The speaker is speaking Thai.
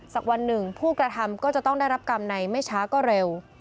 สักวันหนึ่งผู้กระทำก็จะต้องได้รับกรรมในไม่ช้าก็เร็ว